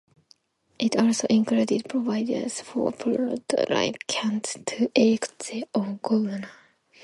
It also included provisions for Puerto Ricans to elect their own governor.